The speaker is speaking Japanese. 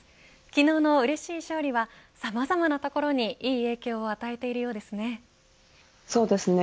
昨日のうれしい勝利はさまざまなところにいい影響を与えているようですね。